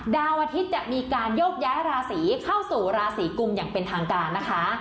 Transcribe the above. ดาวอาทิตย์จะมีการโยกย้ายราศีเข้าสู่ราศีกุมอย่างเป็นทางการนะคะ